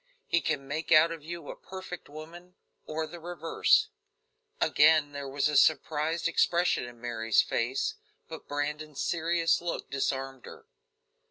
He can make out of you a perfect woman, or the reverse." Again there was the surprised expression in Mary's face, but Brandon's serious look disarmed her.